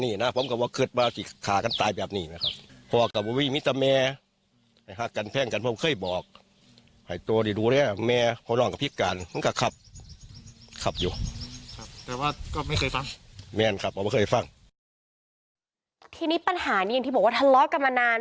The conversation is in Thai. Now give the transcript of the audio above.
ทีนี้ปัญหานี้อย่างที่บอกว่าทะเลาะกันมานาน